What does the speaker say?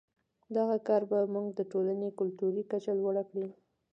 دغه کار به زموږ د ټولنې کلتوري کچه لوړه کړي.